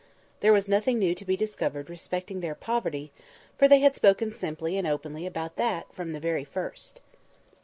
There was nothing new to be discovered respecting their poverty; for they had spoken simply and openly about that from the very first.